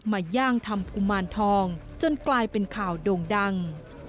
ย่างทำกุมารทองจนกลายเป็นข่าวโด่งดัง